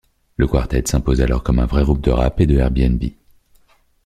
Le quartet s'impose alors comme un vrai groupe de rap et de RnB.